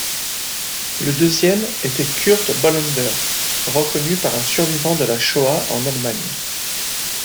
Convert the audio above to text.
Le deuxième était Kurt Bolender, reconnu par un survivant de la Shoah en Allemagne.